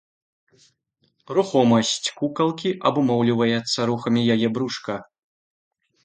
Рухомасць кукалкі абумоўліваецца рухамі яе брушка.